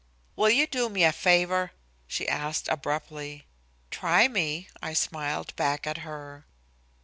"Will you do me a favor?" she asked abruptly. "Try me," I smiled back at her.